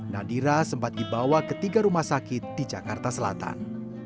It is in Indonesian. nadira sempat dibawa ke tiga rumah sakit di jakarta selatan